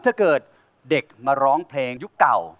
ถ้าเกิดเด็กมาร้องเพลงยุคเก่า